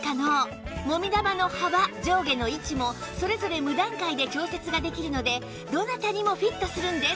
もみ玉の幅上下の位置もそれぞれ無段階で調節ができるのでどなたにもフィットするんです